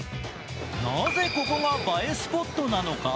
なぜここが映えスポットなのか？